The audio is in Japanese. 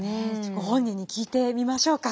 ご本人に聞いてみましょうか。